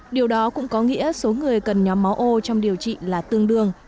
điều đó cũng có nghĩa số người cần nhóm máu ô trong điều trị là tương đương